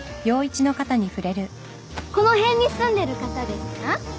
この辺に住んでる方ですか？